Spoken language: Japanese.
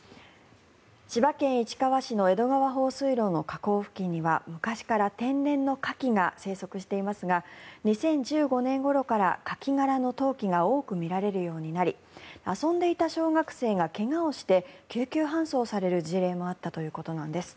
千葉県市川市の江戸川放水路の河口付近には昔から天然のカキが生息していますが２０１５年ごろからカキ殻の投棄が多く見られるようになり遊んでいた小学生が怪我をして救急搬送される事例もあったということなんです。